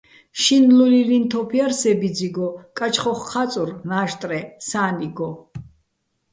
შინლულილიჼ თოფ ჲარ სე ბიძიგო, კარჩხოხ ჴა́წურ ნაჟტრე სა́ნიგო.